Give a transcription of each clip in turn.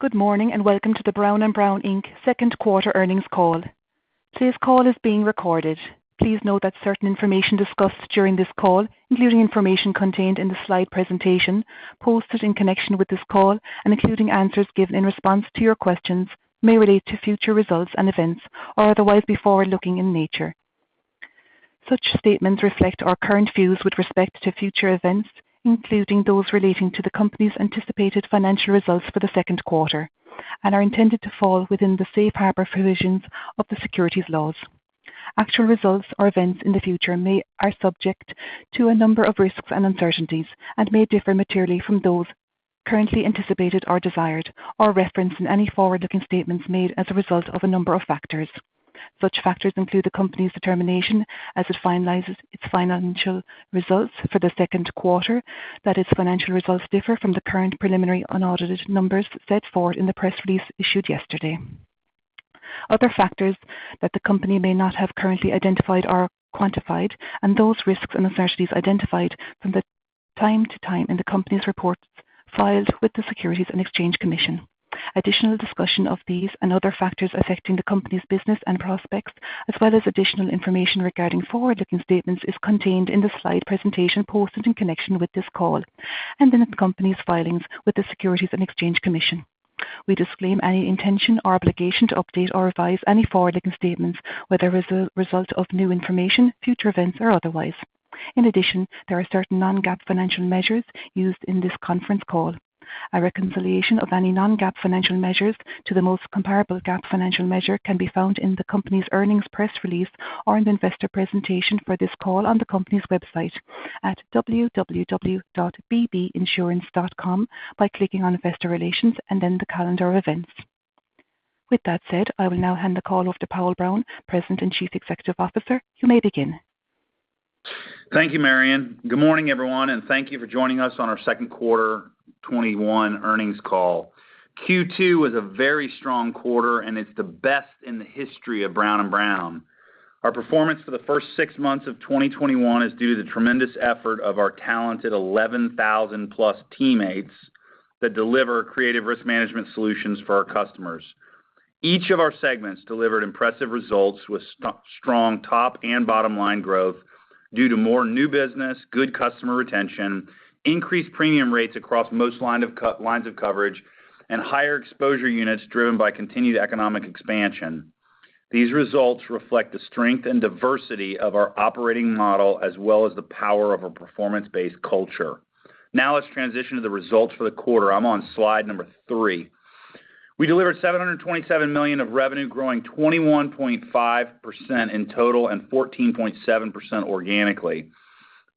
Good morning, welcome to the Brown & Brown, Inc. second quarter earnings call. Today's call is being recorded. Please note that certain information discussed during this call, including information contained in the slide presentation posted in connection with this call and including answers given in response to your questions, may relate to future results and events or otherwise be forward-looking in nature. Such statements reflect our current views with respect to future events, including those relating to the company's anticipated financial results for the second quarter, and are intended to fall within the safe harbor provisions of the securities laws. Actual results or events in the future are subject to a number of risks and uncertainties and may differ materially from those currently anticipated or desired, or referenced in any forward-looking statements made as a result of a number of factors. Such factors include the company's determination as it finalizes its financial results for the second quarter that its financial results differ from the current preliminary unaudited numbers set forth in the press release issued yesterday. Other factors that the company may not have currently identified or quantified, and those risks and uncertainties identified from time to time in the company's reports filed with the Securities and Exchange Commission. Additional discussion of these and other factors affecting the company's business and prospects, as well as additional information regarding forward-looking statements, is contained in the slide presentation posted in connection with this call and in the company's filings with the Securities and Exchange Commission. We disclaim any intention or obligation to update or revise any forward-looking statements, whether as a result of new information, future events, or otherwise. In addition, there are certain non-GAAP financial measures used in this conference call. A reconciliation of any non-GAAP financial measures to the most comparable GAAP financial measure can be found in the company's earnings press release or an investor presentation for this call on the company's website at www.bbinsurance.com by clicking on Investor Relations and then the Calendar of Events. With that said, I will now hand the call over to Powell Brown, President and Chief Executive Officer. You may begin. Thank you, Marion. Good morning, everyone, and thank you for joining us on our second quarter 2021 earnings call. Q2 was a very strong quarter, and it's the best in the history of Brown & Brown. Our performance for the first six months of 2021 is due to the tremendous effort of our talented 11,000-plus teammates that deliver creative risk management solutions for our customers. Each of our segments delivered impressive results with strong top and bottom-line growth due to more new business, good customer retention, increased premium rates across most lines of coverage, and higher exposure units driven by continued economic expansion. These results reflect the strength and diversity of our operating model as well as the power of a performance-based culture. Now let's transition to the results for the quarter. I'm on slide number three. We delivered $727 million of revenue, growing 21.5% in total and 14.7% organically.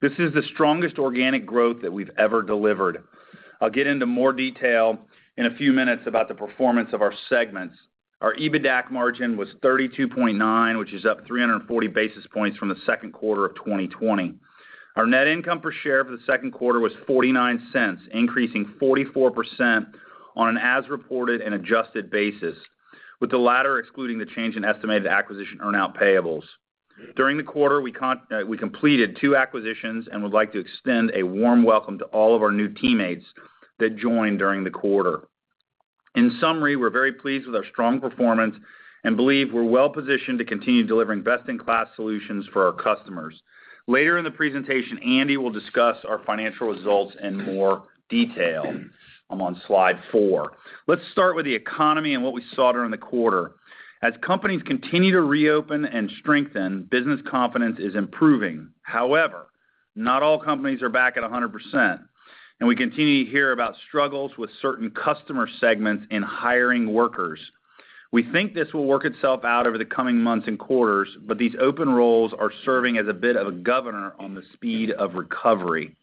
This is the strongest organic growth that we've ever delivered. I'll get into more detail in a few minutes about the performance of our segments. Our EBITDA margin was 32.9%, which is up 340 basis points from the second quarter of 2020. Our net income per share for the second quarter was $0.49, increasing 44% on an as reported and adjusted basis, with the latter excluding the change in estimated acquisition earn-out payables. During the quarter, we completed two acquisitions and would like to extend a warm welcome to all of our new teammates that joined during the quarter. In summary, we're very pleased with our strong performance and believe we're well-positioned to continue delivering best-in-class solutions for our customers. Later in the presentation, Andy will discuss our financial results in more detail. I'm on slide four. Let's start with the economy and what we saw during the quarter. As companies continue to reopen and strengthen, business confidence is improving. However, not all companies are back at 100%, and we continue to hear about struggles with certain customer segments in hiring workers. We think this will work itself out over the coming months and quarters, but these open roles are serving as a bit of a governor on the speed of recovery.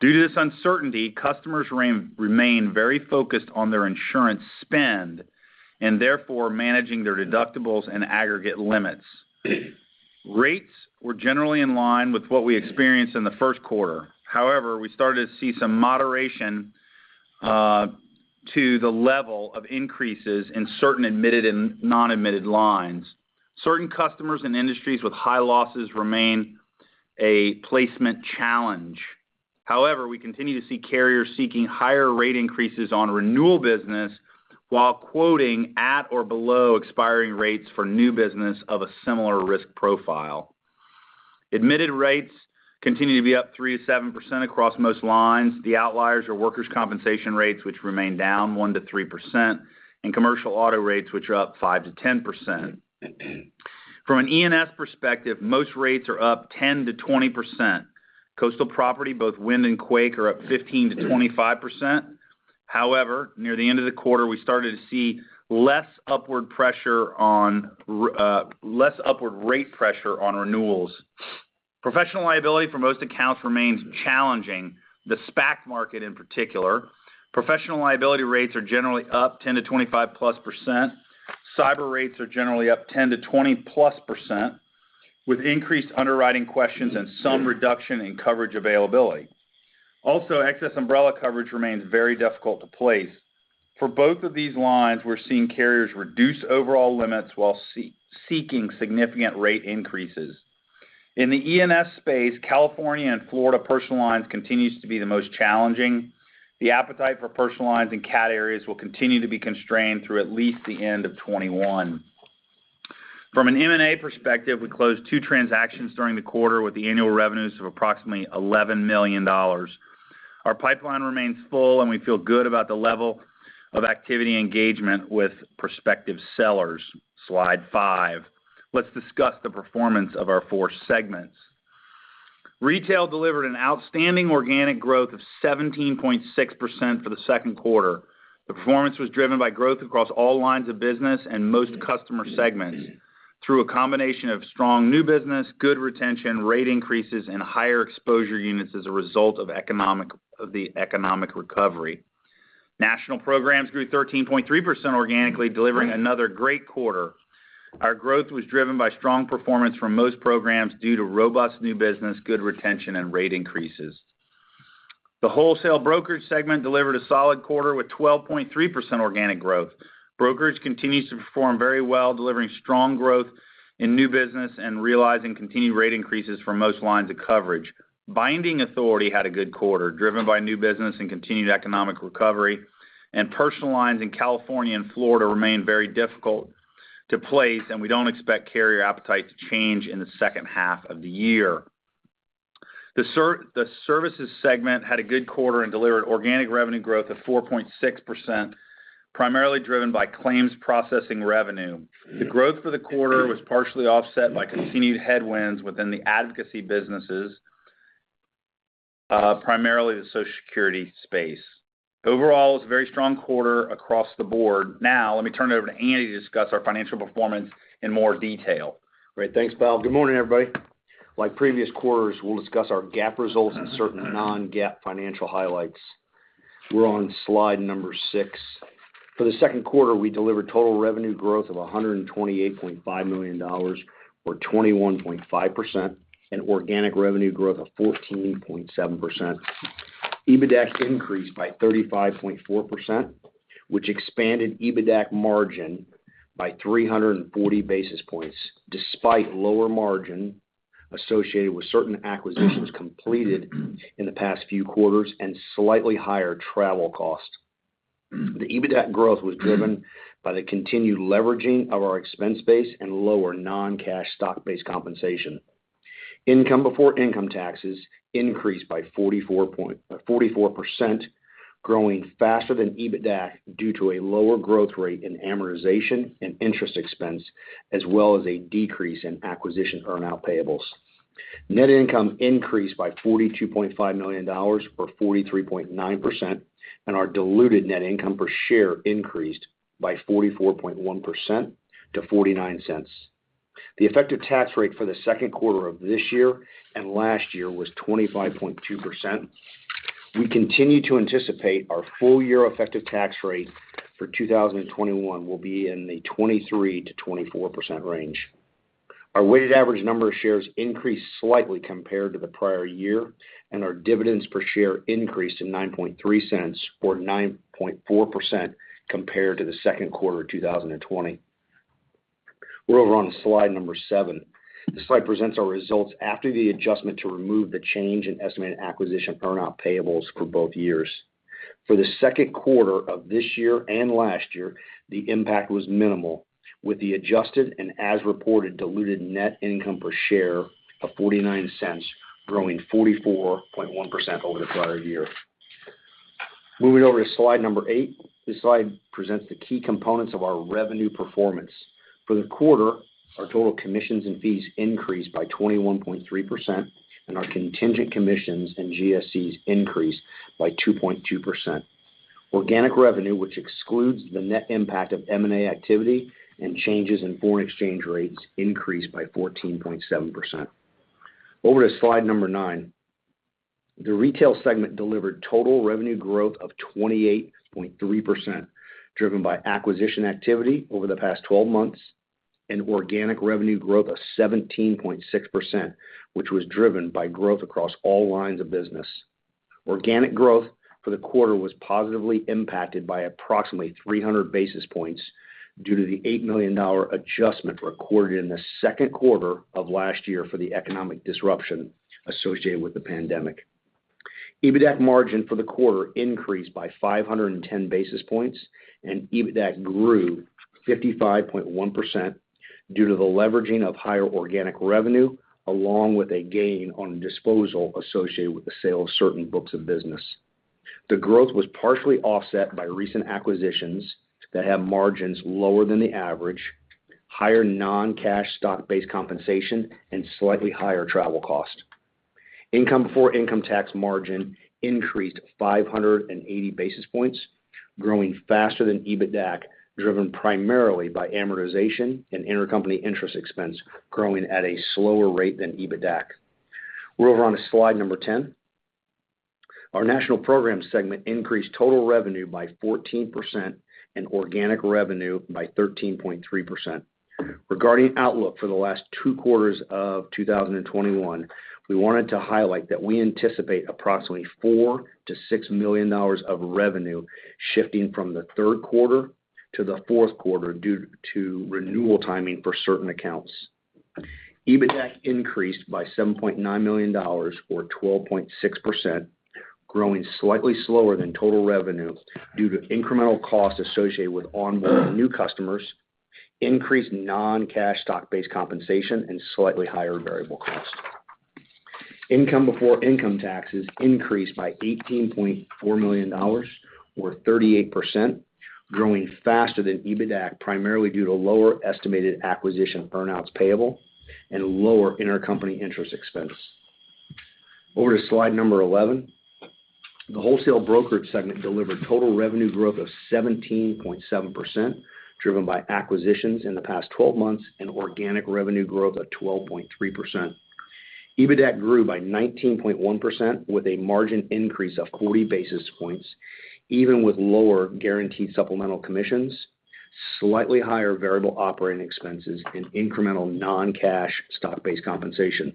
Due to this uncertainty, customers remain very focused on their insurance spend and therefore managing their deductibles and aggregate limits. Rates were generally in line with what we experienced in the first quarter. However, we started to see some moderation to the level of increases in certain admitted and non-admitted lines. Certain customers and industries with high losses remain a placement challenge. However, we continue to see carriers seeking higher rate increases on renewal business while quoting at or below expiring rates for new business of a similar risk profile. Admitted rates continue to be up 3%-7% across most lines. The outliers are workers' compensation rates, which remain down 1%-3%, and commercial auto rates, which are up 5%-10%. From an E&S perspective, most rates are up 10%-20%. Coastal property, both wind and quake, are up 15%-25%. However, near the end of the quarter, we started to see less upward rate pressure on renewals. Professional liability for most accounts remains challenging, the SPAC market in particular. Professional liability rates are generally up 10%-25%+. Cyber rates are generally up 10%-20%+, with increased underwriting questions and some reduction in coverage availability. Excess umbrella coverage remains very difficult to place. For both of these lines, we're seeing carriers reduce overall limits while seeking significant rate increases. In the E&S space, California and Florida personal lines continues to be the most challenging. The appetite for personal lines in cat areas will continue to be constrained through at least the end of 2021. From an M&A perspective, we closed two transactions during the quarter with the annual revenues of approximately $11 million. Our pipeline remains full, and we feel good about the level of activity engagement with prospective sellers. Slide five. Let's discuss the performance of our four segments. Retail delivered an outstanding organic growth of 17.6% for the second quarter. The performance was driven by growth across all lines of business and most customer segments through a combination of strong new business, good retention, rate increases, and higher exposure units as a result of the economic recovery. National Programs grew 13.3% organically, delivering another great quarter. Our growth was driven by strong performance from most programs due to robust new business, good retention, and rate increases. The Wholesale Brokerage segment delivered a solid quarter with 12.3% organic growth. Brokerage continues to perform very well, delivering strong growth in new business and realizing continued rate increases for most lines of coverage. Binding Authority had a good quarter, driven by new business and continued economic recovery, and personal lines in California and Florida remain very difficult to place, and we don't expect carrier appetite to change in the second half of the year. The Services Segment had a good quarter and delivered organic revenue growth of 4.6%, primarily driven by claims processing revenue. The growth for the quarter was partially offset by continued headwinds within the advocacy businesses, primarily the Social Security space. Overall, it was a very strong quarter across the board. Now, let me turn it over to Andy to discuss our financial performance in more detail. Great. Thanks, Powell. Good morning, everybody. Like previous quarters, we'll discuss our GAAP results and certain non-GAAP financial highlights. We're on slide number six. For the second quarter, we delivered total revenue growth of $128.5 million, or 21.5%, and organic revenue growth of 14.7%. EBITDAC increased by 35.4%, which expanded EBITDAC margin by 340 basis points, despite lower margin associated with certain acquisitions completed in the past few quarters and slightly higher travel costs. The EBITDAC growth was driven by the continued leveraging of our expense base and lower non-cash stock-based compensation. Income before income taxes increased by 44%, growing faster than EBITDAC due to a lower growth rate in amortization and interest expense, as well as a decrease in acquisition earnout payables. Net income increased by $42.5 million or 43.9%, and our diluted net income per share increased by 44.1% to $0.49. The effective tax rate for the second quarter of this year and last year was 25.2%. We continue to anticipate our full-year effective tax rate for 2021 will be in the 23%-24% range. Our weighted average number of shares increased slightly compared to the prior year, and our dividends per share increased to $0.093, or 9.4% compared to the second quarter 2020. We're over on slide number seven. This slide presents our results after the adjustment to remove the change in estimated acquisition earnout payables for both years. For the second quarter of this year and last year, the impact was minimal, with the adjusted and as-reported diluted net income per share of $0.49, growing 44.1% over the prior year. Moving over to slide number eight. This slide presents the key components of our revenue performance. For the quarter, our total commissions and fees increased by 21.3%, and our contingent commissions and GSCs increased by 2.2%. Organic revenue, which excludes the net impact of M&A activity and changes in foreign exchange rates, increased by 14.7%. Over to slide number nine. The Retail segment delivered total revenue growth of 28.3%, driven by acquisition activity over the past 12 months and organic revenue growth of 17.6%, which was driven by growth across all lines of business. Organic growth for the quarter was positively impacted by approximately 300 basis points due to the $8 million adjustment recorded in the second quarter of last year for the economic disruption associated with the pandemic. EBITDAC margin for the quarter increased by 510 basis points, and EBITDAC grew 55.1% due to the leveraging of higher organic revenue, along with a gain on disposal associated with the sale of certain books of business. The growth was partially offset by recent acquisitions that have margins lower than the average, higher non-cash stock-based compensation, and slightly higher travel costs. Income before income tax margin increased 580 basis points, growing faster than EBITDAC, driven primarily by amortization and intercompany interest expense growing at a slower rate than EBITDAC. We're over on to slide number 10. Our National Programs segment increased total revenue by 14% and organic revenue by 13.3%. Regarding outlook for the last two quarters of 2021, we wanted to highlight that we anticipate approximately $4 million-$6 million of revenue shifting from the third quarter to the fourth quarter due to renewal timing for certain accounts. EBITDAC increased by $7.9 million or 12.6%, growing slightly slower than total revenue due to incremental costs associated with onboarding new customers, increased non-cash stock-based compensation, and slightly higher variable costs. Income before income taxes increased by $18.4 million or 38%, growing faster than EBITDAC, primarily due to lower estimated acquisition earnouts payable and lower intercompany interest expense. Over to slide number 11. The wholesale brokerage segment delivered total revenue growth of 17.7%, driven by acquisitions in the past 12 months, and organic revenue growth of 12.3%. EBITDAC grew by 19.1% with a margin increase of 40 basis points, even with lower Guaranteed Supplemental Commissions, slightly higher variable operating expenses, and incremental non-cash stock-based compensation.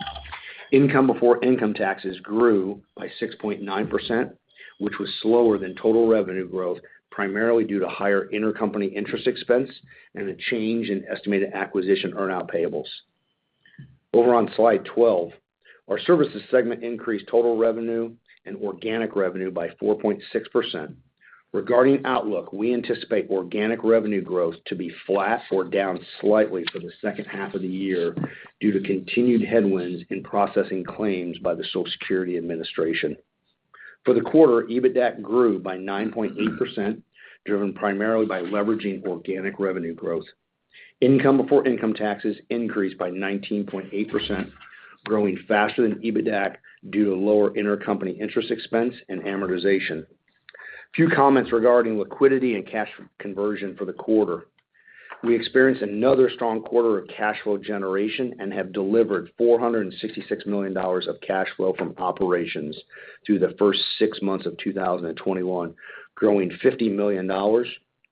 Income before income taxes grew by 6.9%, which was slower than total revenue growth, primarily due to higher intercompany interest expense and a change in estimated acquisition earnout payables. Over on slide 12, our services segment increased total revenue and organic revenue by 4.6%. Regarding outlook, we anticipate organic revenue growth to be flat or down slightly for the second half of the year due to continued headwinds in processing claims by the Social Security Administration. For the quarter, EBITDAC grew by 9.8%, driven primarily by leveraging organic revenue growth. Income before income taxes increased by 19.8%, growing faster than EBITDAC due to lower intercompany interest expense and amortization. A few comments regarding liquidity and cash conversion for the quarter. We experienced another strong quarter of cash flow generation and have delivered $466 million of cash flow from operations through the first six months of 2021, growing $50 million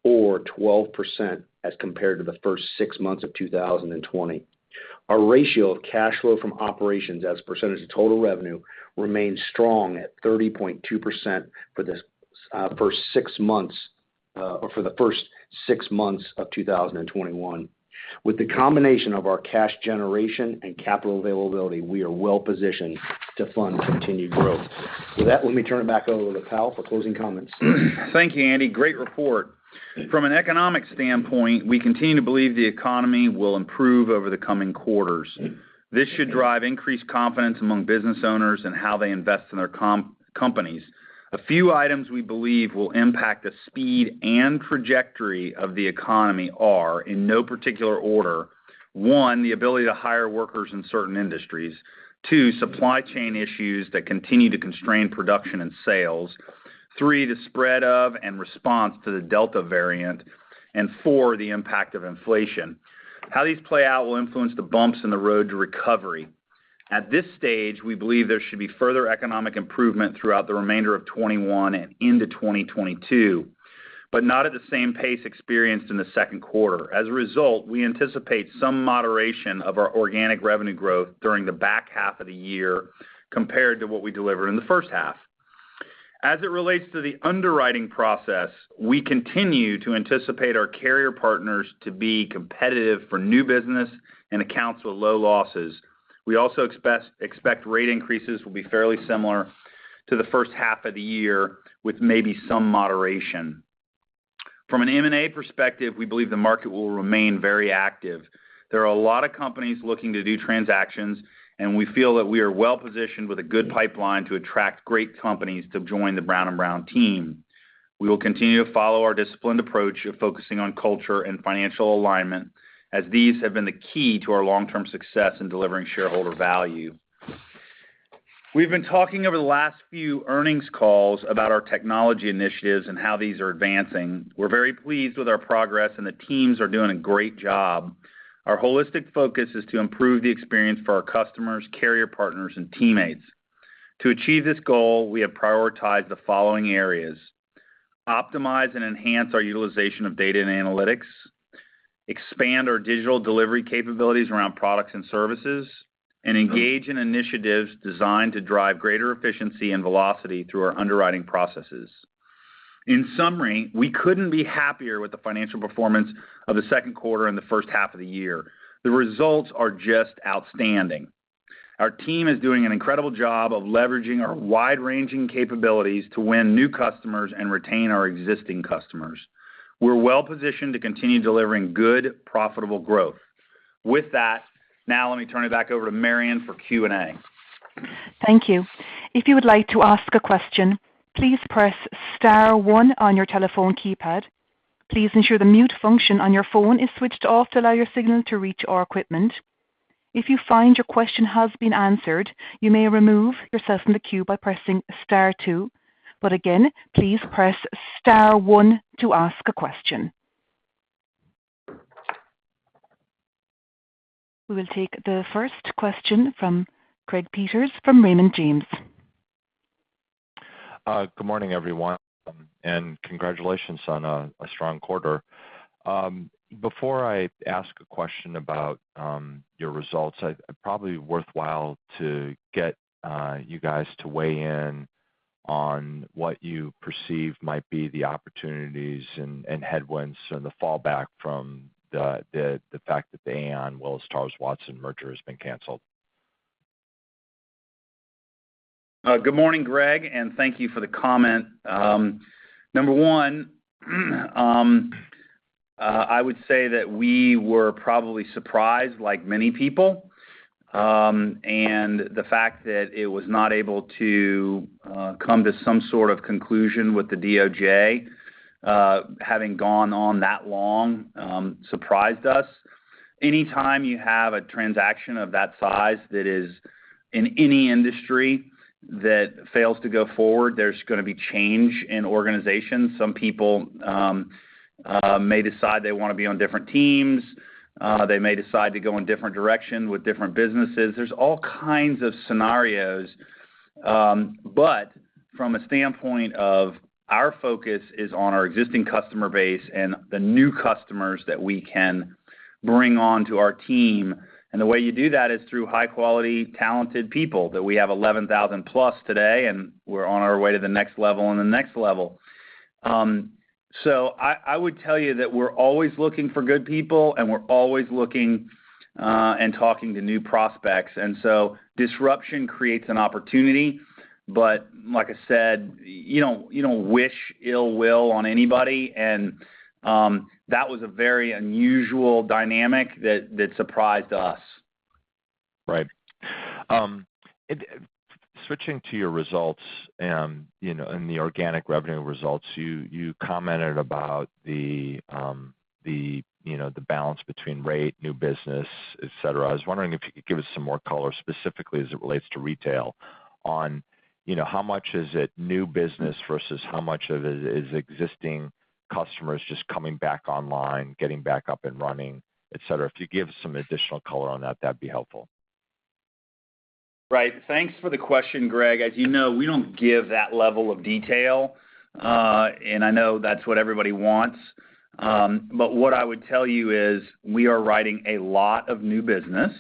or 12% as compared to the first six months of 2020. Our ratio of cash flow from operations as a percentage of total revenue remains strong at 30.2% for the first six months of 2021. With the combination of our cash generation and capital availability, we are well-positioned to fund continued growth. With that, let me turn it back over to Powell for closing comments. Thank you, Andy. Great report. From an economic standpoint, we continue to believe the economy will improve over the coming quarters. This should drive increased confidence among business owners and how they invest in their companies. A few items we believe will impact the speed and trajectory of the economy are, in no particular order, One, the ability to hire workers in certain industries. Two, supply chain issues that continue to constrain production and sales. Three, the spread of and response to the Delta variant, and four, the impact of inflation. How these play out will influence the bumps in the road to recovery. At this stage, we believe there should be further economic improvement throughout the remainder of 2021 and into 2022, but not at the same pace experienced in the second quarter. As a result, we anticipate some moderation of our organic revenue growth during the back half of the year compared to what we delivered in the first half. As it relates to the underwriting process, we continue to anticipate our carrier partners to be competitive for new business and accounts with low losses. We also expect rate increases will be fairly similar to the first half of the year, with maybe some moderation. From an M&A perspective, we believe the market will remain very active. There are a lot of companies looking to do transactions. We feel that we are well-positioned with a good pipeline to attract great companies to join the Brown & Brown team. We will continue to follow our disciplined approach of focusing on culture and financial alignment, as these have been the key to our long-term success in delivering shareholder value. We've been talking over the last few earnings calls about our technology initiatives and how these are advancing. We're very pleased with our progress, and the teams are doing a great job. Our holistic focus is to improve the experience for our customers, carrier partners, and teammates. To achieve this goal, we have prioritized the following areas: optimize and enhance our utilization of data and analytics, expand our digital delivery capabilities around products and services, and engage in initiatives designed to drive greater efficiency and velocity through our underwriting processes. In summary, we couldn't be happier with the financial performance of the second quarter and the first half of the year. The results are just outstanding. Our team is doing an incredible job of leveraging our wide-ranging capabilities to win new customers and retain our existing customers. We're well-positioned to continue delivering good, profitable growth. With that, now let me turn it back over to Marion for Q&A. Thank you. If you would like to ask a question, please press star one on your telephone keypad. Please ensure the mute function on your phone is switched off to allow your signal to reach our equipment. If you find your question has been answered, you may remove yourself from the queue by pressing star two, but again, please press star one to ask a question. We will take the first question from Greg Peters from Raymond James. Good morning, everyone, and congratulations on a strong quarter. Before I ask a question about your results, probably worthwhile to get you guys to weigh in on what you perceive might be the opportunities and headwinds and the fallback from the fact that the Aon, Willis Towers Watson merger has been canceled. Good morning, Greg. Thank you for the comment. Number one, I would say that we were probably surprised, like many people. The fact that it was not able to come to some sort of conclusion with the DOJ having gone on that long surprised us. Anytime you have a transaction of that size that is in any industry that fails to go forward, there's going to be change in organizations. Some people may decide they want to be on different teams. They may decide to go in different directions with different businesses. There's all kinds of scenarios. From a standpoint of our focus is on our existing customer base and the new customers that we can bring onto our team. The way you do that is through high-quality, talented people, that we have 11,000+ today, and we're on our way to the next level and the next level. I would tell you that we're always looking for good people, and we're always looking and talking to new prospects. Disruption creates an opportunity, but like I said, you don't wish ill will on anybody. That was a very unusual dynamic that surprised us. Right. Switching to your results and the organic revenue results, you commented about the balance between rate, new business, et cetera. I was wondering if you could give us some more color, specifically as it relates to retail on how much is it new business versus how much of it is existing customers just coming back online, getting back up and running, et cetera. If you give some additional color on that would be helpful. Right. Thanks for the question, Greg. As you know, we don't give that level of detail, and I know that's what everybody wants. What I would tell you is we are writing a lot of new business,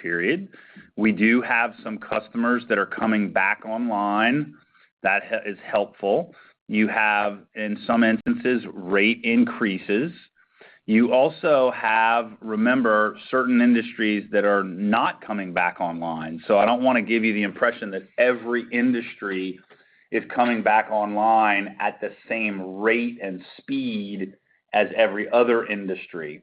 period. We do have some customers that are coming back online. That is helpful. You have, in some instances, rate increases. You also have, remember, certain industries that are not coming back online. I don't want to give you the impression that every industry is coming back online at the same rate and speed as every other industry.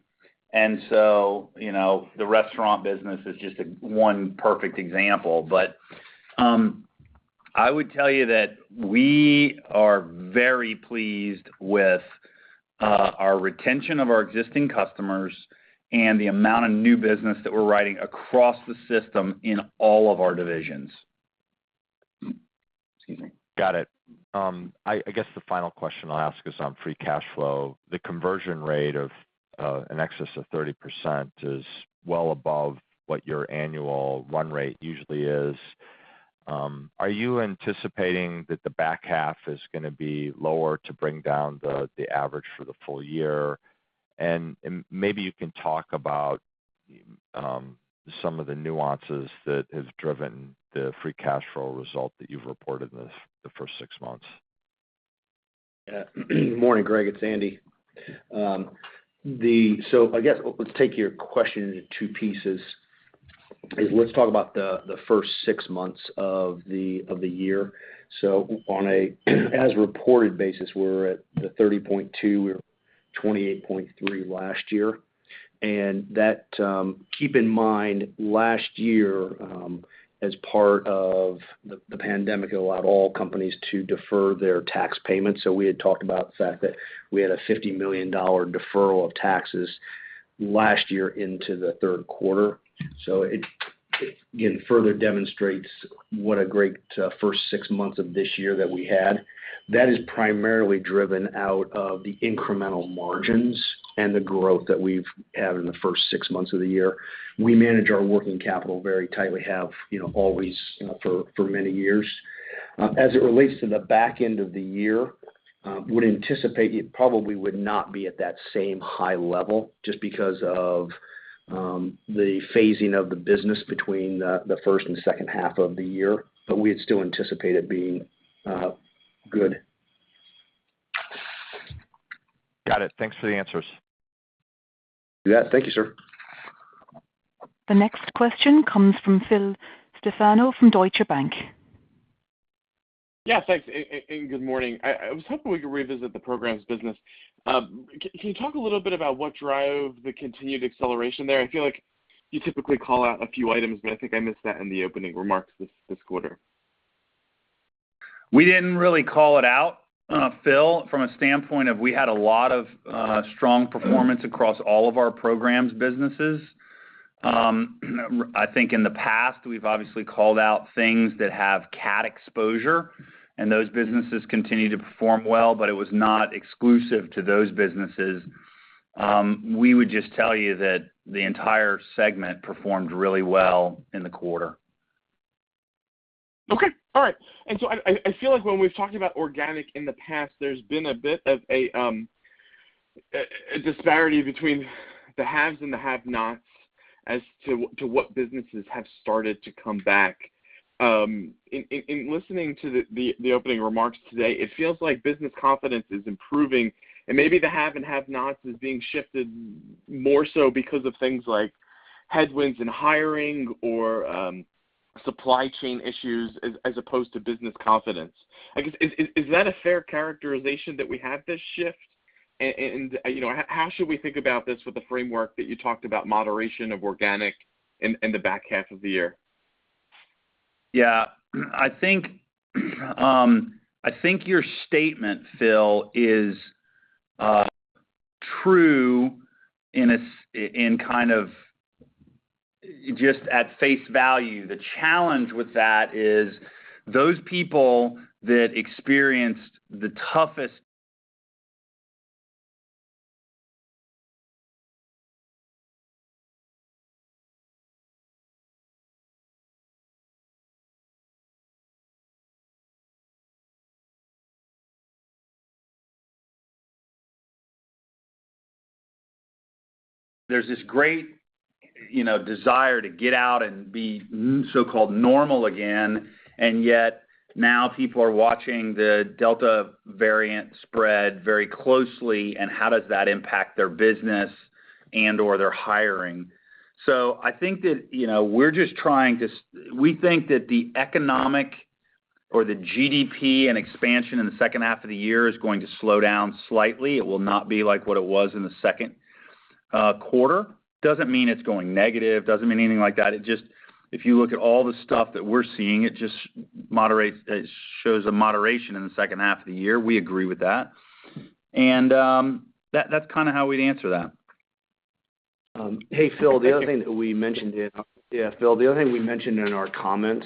The restaurant business is just one perfect example. I would tell you that we are very pleased with our retention of our existing customers and the amount of new business that we're writing across the system in all of our divisions. Excuse me. Got it. I guess the final question I'll ask is on free cash flow. The conversion rate of an excess of 30% is well above what your annual run rate usually is. Are you anticipating that the back half is going to be lower to bring down the average for the full year? Maybe you can talk about some of the nuances that have driven the free cash flow result that you've reported in the first six months. Yeah. Good morning, Greg. It's Andy. I guess let's take your question into two pieces, is let's talk about the first six months of the year. On a as reported basis, we're at the 30.2%. We were 28.3% last year. Keep in mind, last year, as part of the pandemic, it allowed all companies to defer their tax payments. We had talked about the fact that we had a $50 million deferral of taxes last year into the third quarter. It, again, further demonstrates what a great first six months of this year that we had. That is primarily driven out of the incremental margins and the growth that we've had in the first six months of the year. We manage our working capital very tightly, have always for many years. As it relates to the back end of the year, would anticipate it probably would not be at that same high level just because of the phasing of the business between the first and second half of the year, but we'd still anticipate it being good. Got it. Thanks for the answers. Yeah. Thank you, sir. The next question comes from Phil Stefano from Deutsche Bank. Thanks, good morning. I was hoping we could revisit the programs business. Can you talk a little bit about what drove the continued acceleration there? I feel like you typically call out a few items, I think I missed that in the opening remarks this quarter. We didn't really call it out, Phil, from a standpoint of we had a lot of strong performance across all of our programs businesses. I think in the past, we've obviously called out things that have cat exposure, and those businesses continue to perform well, but it was not exclusive to those businesses. We would just tell you that the entire segment performed really well in the quarter. Okay. All right. So I feel like when we've talked about organic in the past, there's been a bit of a disparity between the haves and the have-nots as to what businesses have started to come back. In listening to the opening remarks today, it feels like business confidence is improving and maybe the have and have-nots is being shifted more so because of things like headwinds in hiring or supply chain issues as opposed to business confidence. I guess, is that a fair characterization that we have this shift? How should we think about this with the framework that you talked about moderation of organic in the back half of the year? I think your statement, Phil, is true in kind of just at face value. The challenge with that is those people that experienced the toughest. There's this great desire to get out and be so-called normal again, and yet now people are watching the Delta variant spread very closely and how does that impact their business and/or their hiring. I think that, we think that the economic or the GDP and expansion in the second half of the year is going to slow down slightly. It will not be like what it was in the second quarter. Doesn't mean it's going negative, doesn't mean anything like that. If you look at all the stuff that we're seeing, it just shows a moderation in the second half of the year. We agree with that. That's kind of how we'd answer that. Hey, Phil, the other thing we mentioned in our comments,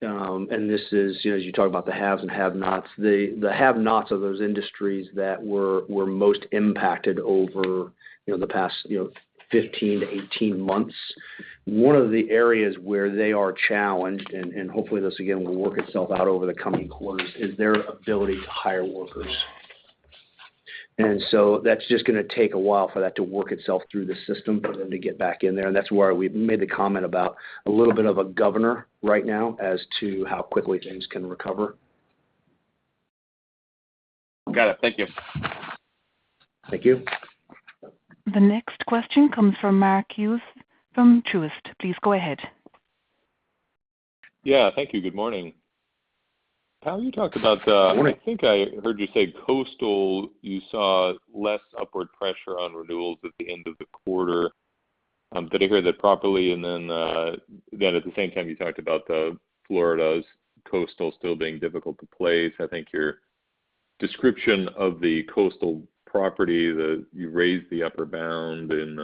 this is as you talk about the haves and have-nots, the have-nots are those industries that were most impacted over the past 15-18 months. One of the areas where they are challenged, hopefully this again will work itself out over the coming quarters, is their ability to hire workers. That's just going to take a while for that to work itself through the system for them to get back in there, that's why we made the comment about a little bit of a governor right now as to how quickly things can recover. Got it. Thank you. Thank you. The next question comes from Mark Hughes from Truist. Please go ahead. Yeah. Thank you. Good morning. Morning. Powell, you talked about, I think I heard you say coastal, you saw less upward pressure on renewals at the end of the quarter. Did I hear that properly? Again, at the same time, you talked about the Florida's coastal still being difficult to place. I think your description of the coastal property that you raised the upper bound in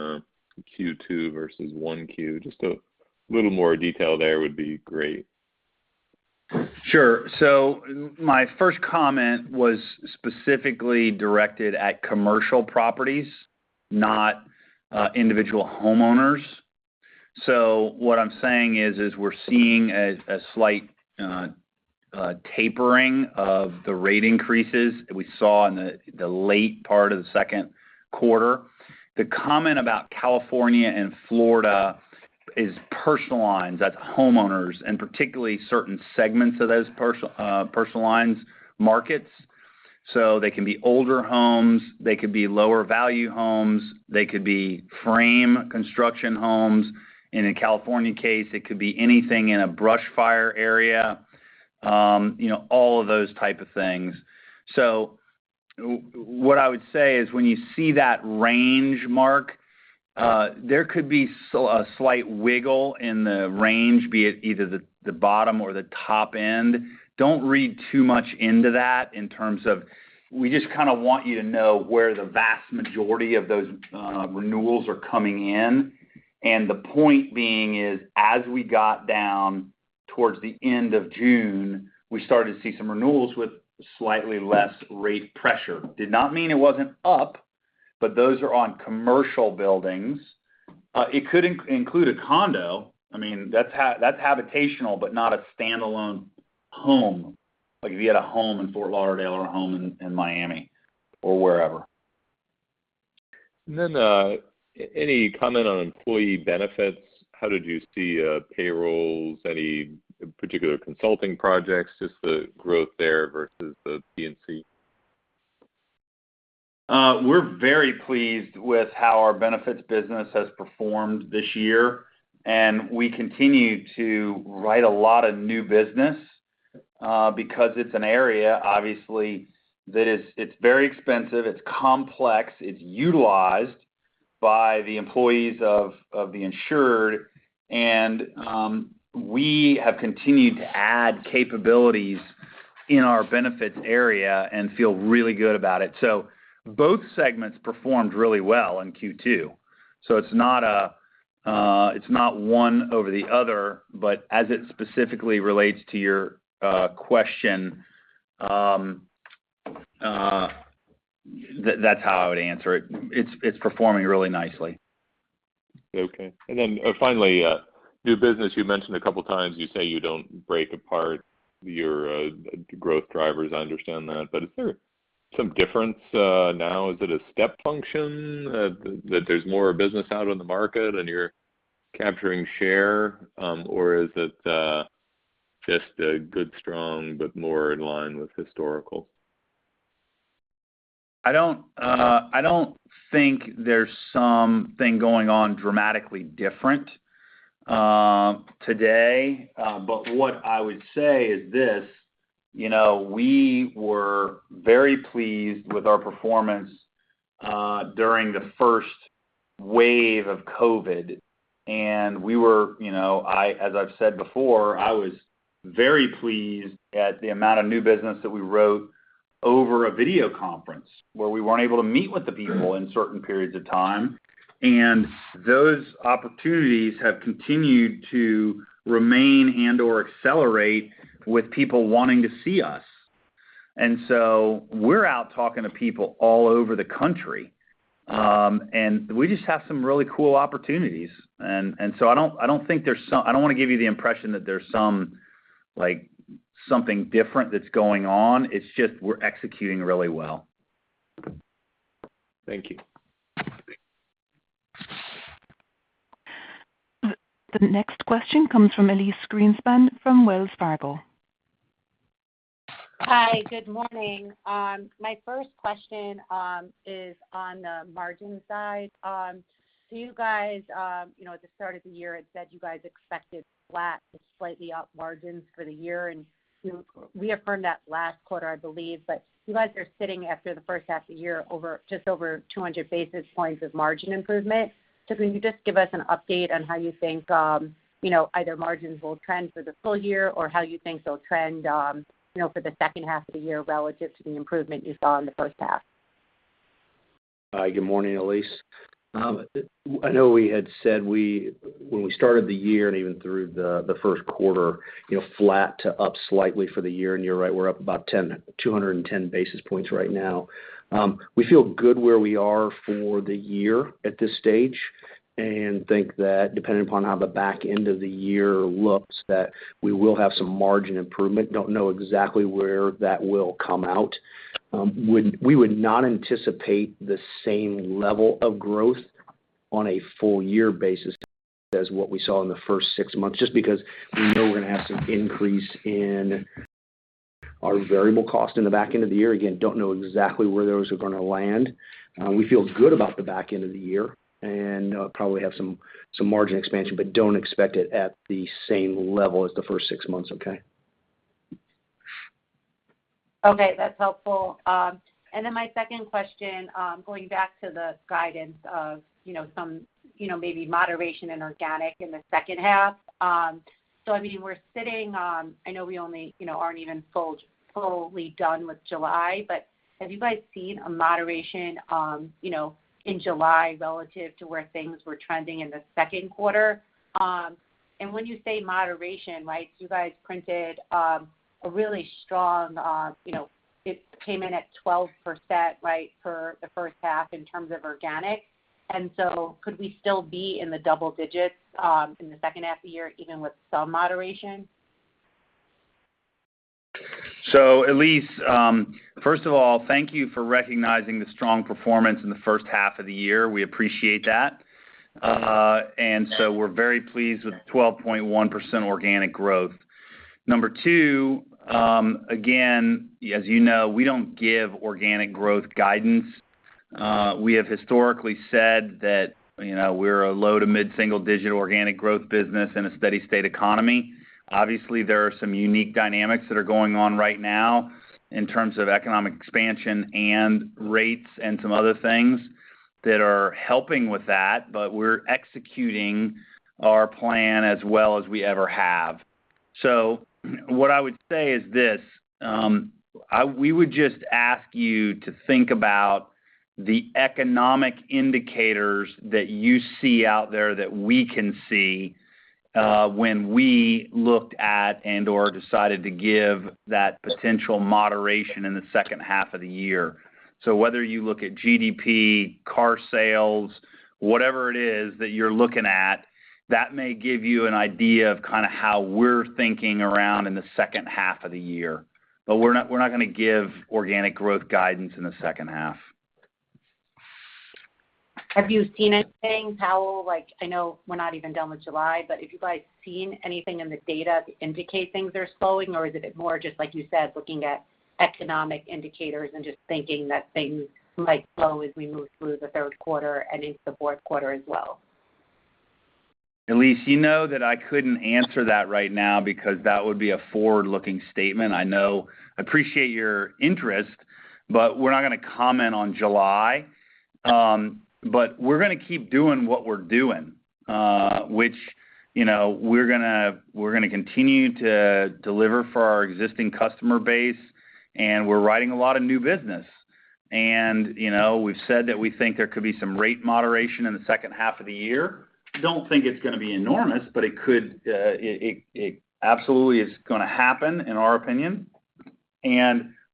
Q2 versus 1Q, just a little more detail there would be great. Sure. My first comment was specifically directed at commercial properties, not individual homeowners. What I'm saying is we're seeing a slight tapering of the rate increases that we saw in the late part of the second quarter. The comment about California and Florida is personal lines. That's homeowners, and particularly certain segments of those personal lines markets. They can be older homes, they could be lower value homes, they could be frame construction homes. In a California case, it could be anything in a brush fire area, all of those type of things. What I would say is when you see that range mark, there could be a slight wiggle in the range, be it either the bottom or the top end. Don't read too much into that in terms of we just kind of want you to know where the vast majority of those renewals are coming in. The point being is as we got down towards the end of June, we started to see some renewals with slightly less rate pressure. Did not mean it wasn't up, but those are on commercial buildings. It could include a condo. That's habitational, but not a standalone home. Like if you had a home in Fort Lauderdale or a home in Miami or wherever. Any comment on employee benefits? How did you see payrolls? Any particular consulting projects, just the growth there versus the P&C? We're very pleased with how our benefits business has performed this year. We continue to write a lot of new business, because it's an area, obviously, that it's very expensive, it's complex, it's utilized by the employees of the insured, and we have continued to add capabilities in our benefits area and feel really good about it. Both segments performed really well in Q2. It's not one over the other, as it specifically relates to your question, that's how I would answer it. It's performing really nicely. Okay. Finally, new business, you mentioned a couple of times, you say you don't break apart your growth drivers. I understand that. Is there some difference now? Is it a step function that there's more business out on the market and you're capturing share? Is it just a good strong, but more in line with historical? I don't think there's something going on dramatically different today. What I would say is this, we were very pleased with our performance during the first wave of COVID. As I've said before, I was very pleased at the amount of new business that we wrote over a video conference where we weren't able to meet with the people in certain periods of time. Those opportunities have continued to remain and/or accelerate with people wanting to see us. We're out talking to people all over the country. We just have some really cool opportunities. I don't want to give you the impression that there's something different that's going on. It's just we're executing really well. Thank you. The next question comes from Elyse Greenspan from Wells Fargo. Hi, good morning. My first question is on the margin side. You guys at the start of the year had said you guys expected flat to slightly up margins for the year, and you reaffirmed that last quarter, I believe. You guys are sitting after the first half of the year, just over 200 basis points of margin improvement. Can you just give us an update on how you think either margins will trend for the full year or how you think they'll trend for the second half of the year relative to the improvement you saw in the first half? Hi, good morning, Elyse. I know we had said when we started the year and even through the first quarter, flat to up slightly for the year, and you're right, we're up about 210 basis points right now. We feel good where we are for the year at this stage, and think that depending upon how the back end of the year looks, that we will have some margin improvement. Don't know exactly where that will come out. We would not anticipate the same level of growth on a full year basis as what we saw in the first six months, just because we know we're going to have some increase in our variable cost in the back end of the year. Again, don't know exactly where those are going to land. We feel good about the back end of the year and probably have some margin expansion, but don't expect it at the same level as the first six months, okay? Okay, that's helpful. My second question, going back to the guidance of maybe moderation in organic in the second half. I mean, we're sitting on, I know we only aren't even fully done with July, but have you guys seen a moderation in July relative to where things were trending in the second quarter? When you say moderation, you guys printed a really strong, it came in at 12% for the first half in terms of organic. Could we still be in the double digits in the second half of the year even with some moderation? Elyse, first of all, thank you for recognizing the strong performance in the first half of the year. We appreciate that. We're very pleased with 12.1% organic growth. Number two, again, as you know, we don't give organic growth guidance. We have historically said that we're a low to mid-single digit organic growth business in a steady state economy. Obviously, there are some unique dynamics that are going on right now in terms of economic expansion and rates and some other things that are helping with that, we're executing our plan as well as we ever have. What I would say is this. We would just ask you to think about the economic indicators that you see out there that we can see when we looked at and/or decided to give that potential moderation in the second half of the year. Whether you look at GDP, car sales, whatever it is that you're looking at, that may give you an idea of how we're thinking around in the second half of the year. We're not going to give organic growth guidance in the second half. Have you seen anything, Powell? I know we're not even done with July, have you guys seen anything in the data to indicate things are slowing? Is it more just like you said, looking at economic indicators and just thinking that things might slow as we move through the third quarter and into the fourth quarter as well? Elyse, you know that I couldn't answer that right now because that would be a forward-looking statement. I appreciate your interest, we're not going to comment on July. We're going to keep doing what we're doing, which we're going to continue to deliver for our existing customer base, and we're writing a lot of new business. We've said that we think there could be some rate moderation in the second half of the year. Don't think it's going to be enormous, it absolutely is going to happen in our opinion.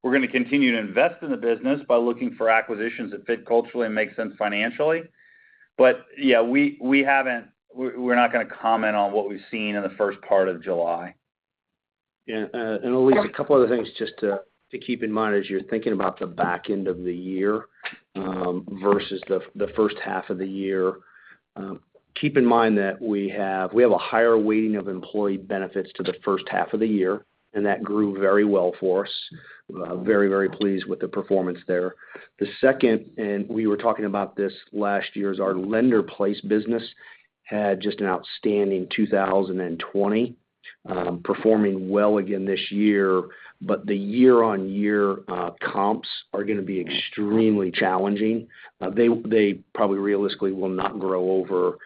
We're going to continue to invest in the business by looking for acquisitions that fit culturally and make sense financially. Yeah, we're not going to comment on what we've seen in the first part of July. Yeah. Elyse, a couple other things just to keep in mind as you're thinking about the back end of the year versus the first half of the year. Keep in mind that we have a higher weighting of employee benefits to the first half of the year, and that grew very well for us. Very, very pleased with the performance there. The second, and we were talking about this last year, is our lender placed business had just an outstanding 2020. Performing well again this year, but the year-on-year comps are going to be extremely challenging. They probably realistically will not grow over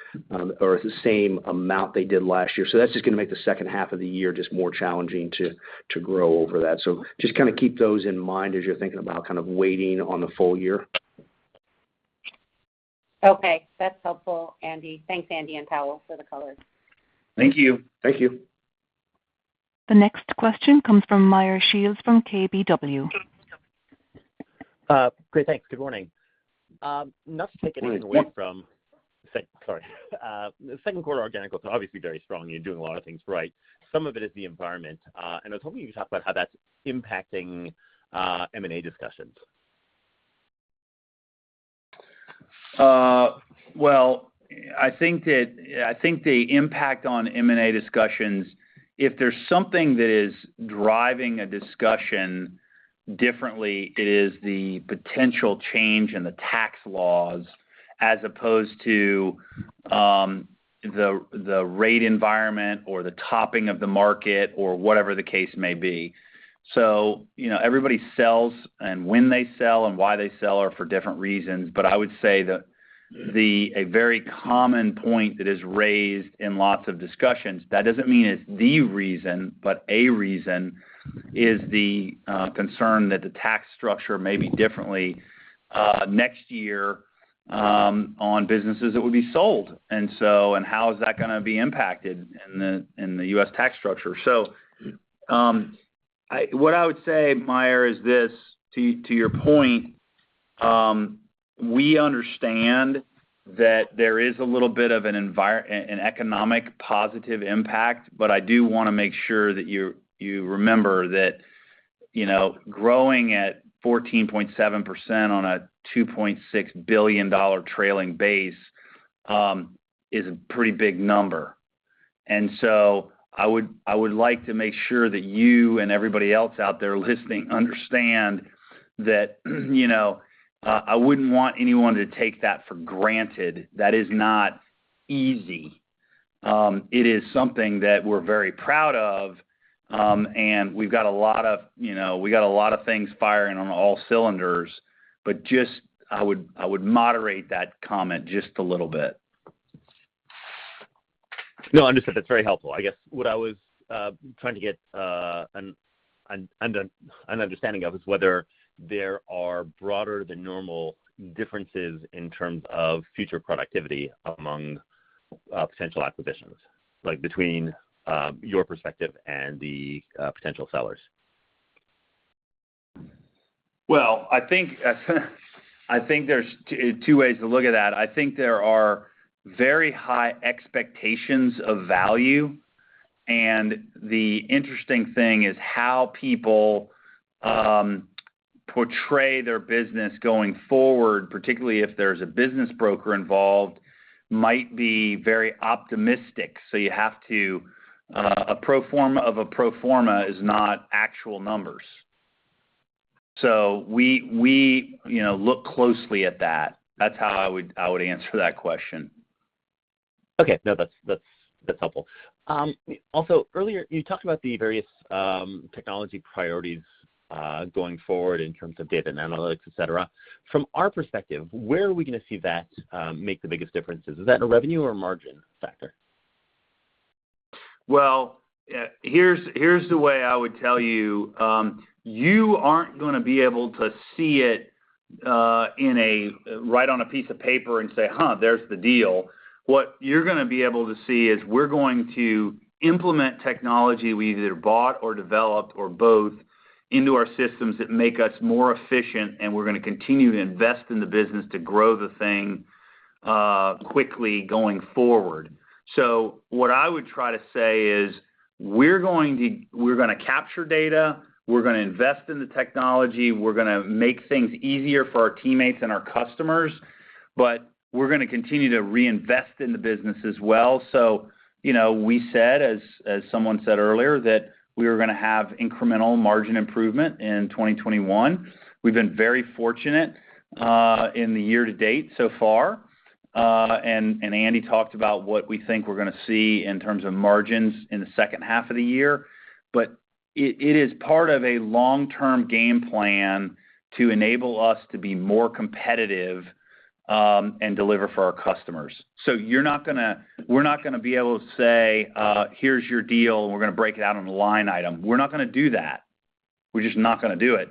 or the same amount they did last year. That's just going to make the second half of the year just more challenging to grow over that. Just kind of keep those in mind as you're thinking about kind of weighting on the full year. Okay, that's helpful, Andy. Thanks, Andy and Powell, for the color. Thank you. Thank you. The next question comes from Meyer Shields from KBW. Great. Thanks. Good morning. Good morning. Sorry. Second quarter organic was obviously very strong. You're doing a lot of things right. Some of it is the environment. I was hoping you could talk about how that's impacting M&A discussions. I think the impact on M&A discussions, if there's something that is driving a discussion differently, it is the potential change in the tax laws as opposed to the rate environment or the topping of the market or whatever the case may be. Everybody sells, and when they sell and why they sell are for different reasons, but I would say that a very common point that is raised in lots of discussions, that doesn't mean it's the reason, but a reason, is the concern that the tax structure may be differently next year on businesses that will be sold. How is that going to be impacted in the U.S. tax structure? What I would say, Meyer, is this, to your point. We understand that there is a little bit of an economic positive impact, but I do want to make sure that you remember that growing at 14.7% on a $2.6 billion trailing base is a pretty big number. I would like to make sure that you and everybody else out there listening understand that I wouldn't want anyone to take that for granted. That is not easy. It is something that we're very proud of, and we've got a lot of things firing on all cylinders. Just, I would moderate that comment just a little bit. No, understood. That's very helpful. I guess what I was trying to get an understanding of is whether there are broader than normal differences in terms of future productivity among potential acquisitions, like between your perspective and the potential sellers. I think there's two ways to look at that. I think there are very high expectations of value, and the interesting thing is how people portray their business going forward, particularly if there's a business broker involved, might be very optimistic. You have to, a pro forma of a pro forma is not actual numbers. We look closely at that. That's how I would answer that question. Okay. No, that's helpful. Earlier you talked about the various technology priorities going forward in terms of data and analytics, et cetera. From our perspective, where are we going to see that make the biggest differences? Is that a revenue or margin factor? Well, here's the way I would tell you. You aren't going to be able to see it right on a piece of paper and say, "Huh, there's the deal." What you're going to be able to see is we're going to implement technology we either bought or developed or both into our systems that make us more efficient, and we're going to continue to invest in the business to grow the thing quickly going forward. What I would try to say is we're going to capture data, we're going to invest in the technology, we're going to make things easier for our teammates and our customers, but we're going to continue to reinvest in the business as well. We said as someone said earlier, that we were going to have incremental margin improvement in 2021. We've been very fortunate in the year to date so far. Andy talked about what we think we're going to see in terms of margins in the second half of the year. It is part of a long-term game plan to enable us to be more competitive and deliver for our customers. We're not going to be able to say, "Here's your deal, and we're going to break it out on a line item." We're not going to do that. We're just not going to do it.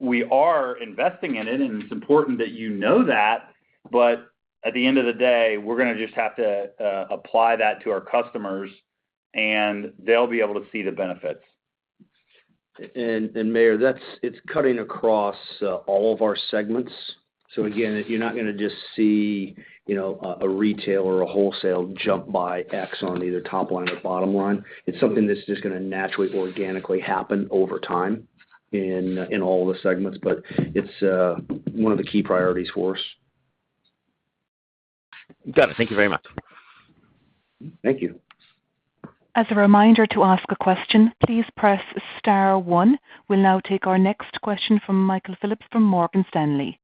We are investing in it, and it's important that you know that. At the end of the day, we're going to just have to apply that to our customers, and they'll be able to see the benefits. Meyer, it's cutting across all of our segments. Again, you're not going to just see a retail or a wholesale jump by X on either top line or bottom line. It's something that's just going to naturally, organically happen over time in all the segments, but it's one of the key priorities for us. Got it. Thank you very much. Thank you. As a reminder, to ask a question, please press star one. We'll now take our next question from Michael Phillips from Morgan Stanley.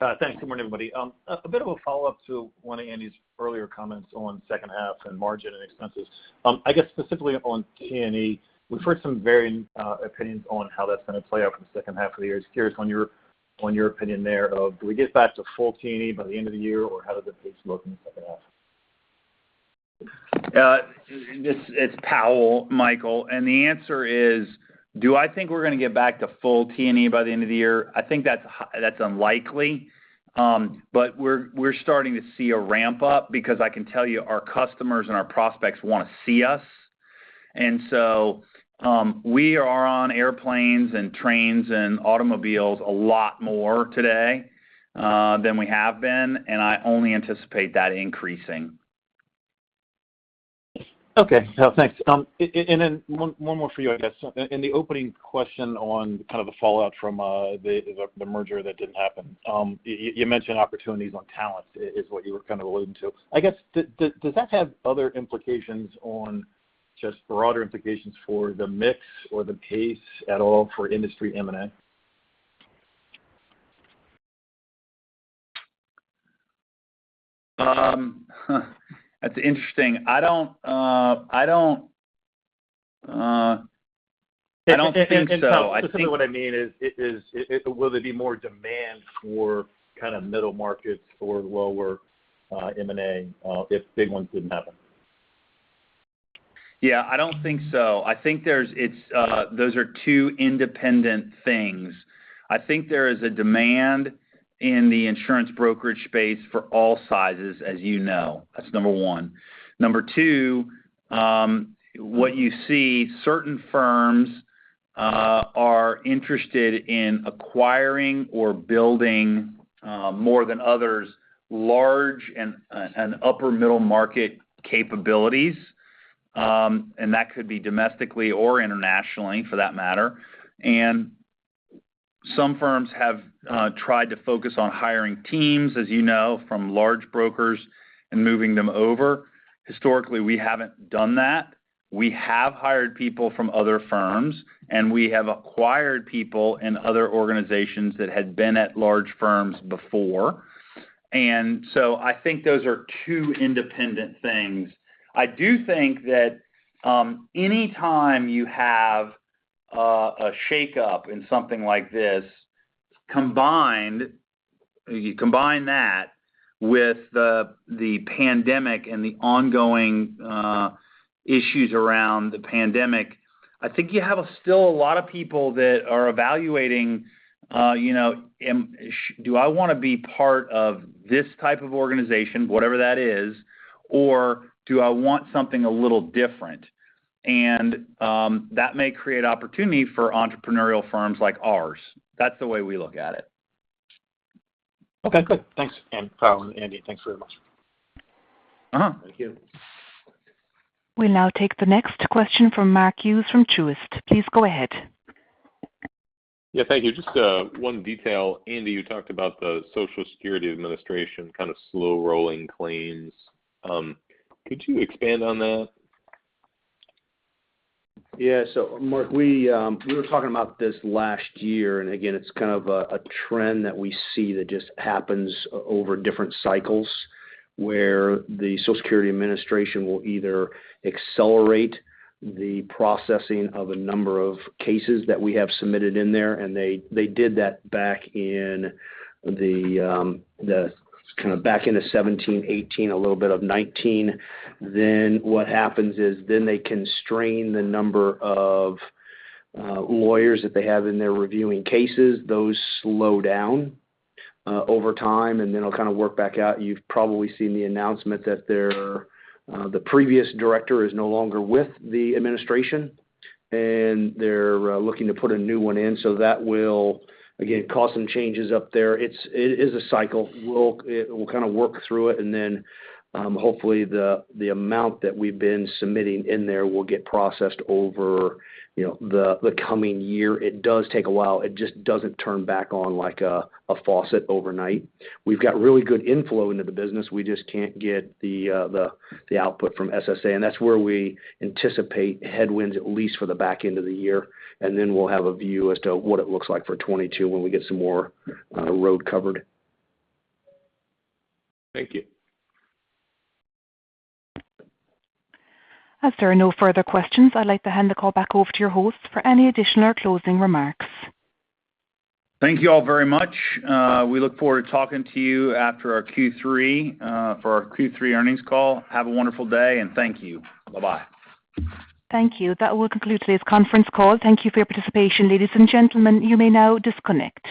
Thanks. Good morning, everybody. A bit of a follow-up to one of Andy's earlier comments on second half and margin and expenses. I guess specifically on T&E, we've heard some varying opinions on how that's going to play out in the second half of the year. Just curious on your opinion there of, do we get back to full T&E by the end of the year, or how does it look in the second half? It's Powell, Michael, and the answer is, do I think we're going to get back to full T&E by the end of the year? I think that's unlikely. We're starting to see a ramp up because I can tell you our customers and our prospects want to see us. We are on airplanes and trains and automobiles a lot more today than we have been, and I only anticipate that increasing. Okay. No, thanks. Then one more for you, I guess. In the opening question on kind of the fallout from the merger that didn't happen, you mentioned opportunities on talent is what you were kind of alluding to. I guess, does that have other implications on just broader implications for the mix or the pace at all for industry M&A? That's interesting. I don't think so. Specifically what I mean is, will there be more demand for kind of middle markets for lower M&A if big ones didn't happen? Yeah, I don't think so. I think those are two independent things. I think there is a demand in the insurance brokerage space for all sizes, as you know. That's number one. Number two, what you see, certain firms are interested in acquiring or building more than others large and upper middle market capabilities. That could be domestically or internationally for that matter. Some firms have tried to focus on hiring teams, as you know, from large brokers and moving them over. Historically, we haven't done that. We have hired people from other firms, and we have acquired people in other organizations that had been at large firms before. I think those are two independent things. I do think that any time you have a shakeup in something like this, you combine that with the pandemic and the ongoing issues around the pandemic, I think you have still a lot of people that are evaluating, do I want to be part of this type of organization, whatever that is, or do I want something a little different? That may create opportunity for entrepreneurial firms like ours. That's the way we look at it. Okay, good. Thanks, Powell and Andy. Thanks very much. Thank you. We'll now take the next question from Mark Hughes from Truist. Please go ahead. Yeah, thank you. Just one detail. Andy, you talked about the Social Security Administration kind of slow-rolling claims. Could you expand on that? Mark, we were talking about this last year, again, it's kind of a trend that we see that just happens over different cycles, where the Social Security Administration will either accelerate the processing of a number of cases that we have submitted in there, they did that back in the 2017, 2018, a little bit of 2019. What happens is they constrain the number of lawyers that they have in there reviewing cases. Those slow down over time, it'll kind of work back out. You've probably seen the announcement that the previous director is no longer with the administration, they're looking to put a new one in. That will, again, cause some changes up there. It is a cycle. We'll kind of work through it, and then hopefully the amount that we've been submitting in there will get processed over the coming year. It does take a while. It just doesn't turn back on like a faucet overnight. We've got really good inflow into the business. We just can't get the output from SSA, and that's where we anticipate headwinds, at least for the back end of the year. We'll have a view as to what it looks like for 2022 when we get some more road covered. Thank you. As there are no further questions, I'd like to hand the call back over to your hosts for any additional closing remarks. Thank you all very much. We look forward to talking to you after our Q3 for our Q3 earnings call. Have a wonderful day, and thank you. Bye-bye. Thank you. That will conclude today's conference call. Thank you for your participation. Ladies and gentlemen, you may now disconnect.